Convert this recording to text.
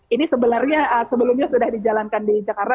ini sebenarnya sebelumnya sudah dijalankan di jakarta